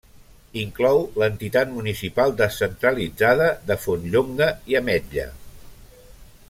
Inclou l'entitat municipal descentralitzada de Fontllonga i Ametlla.